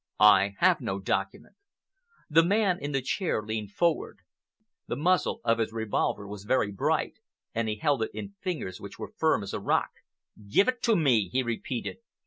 "I have no document." The man in the chair leaned forward. The muzzle of his revolver was very bright, and he held it in fingers which were firm as a rock. "Give it to me!" he repeated.